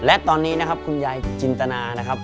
และตอนนี้นะครับคุณยายจินตนานะครับ